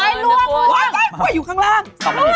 อ้ายรั่วคือข้างล่าง